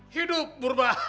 hidup burba h s